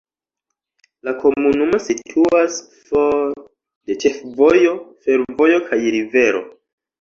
La komunumo situas for de ĉefvojo, fervojo kaj rivero.